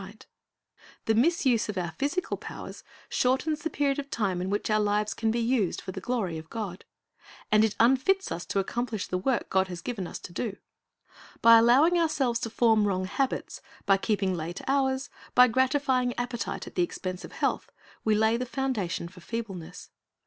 The misuse of our physical powers shortens the period of time in which our lives can be used for the glory of God. And it unfits us to accomplish the work God has given us to do. By allowing ourselves to form wrong habits, by keeping late hours, by gratifying appetite at the expense of health, we lay the foundation for feebleness.